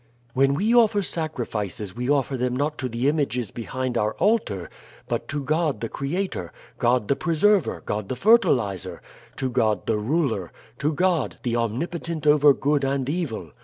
"When we offer sacrifices we offer them not to the images behind our altar, but to God the creator, God the preserver, God the fertilizer, to God the ruler, to God the omnipotent over good and evil.